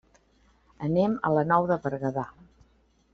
Anem a la Nou de Berguedà.